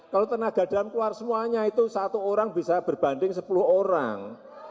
kalau tenaga dalam keluar semuanya itu satu orang bisa berbanding sepuluh orang